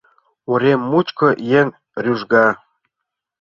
Урем мучко еҥ рӱжга